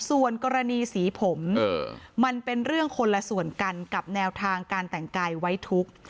ส่วนกรณีสีผมมันเป็นเรื่องคนละส่วนกันกับแนวทางการแต่งกายไว้ทุกข์